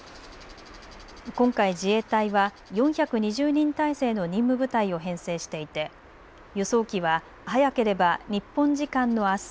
今回、自衛隊は４２０人態勢の任務部隊を編成していて輸送機は早ければ日本時間のあす